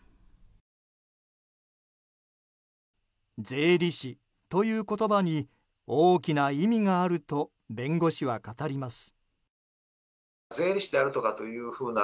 税理士という言葉に大きな意味があると弁護士は語ります。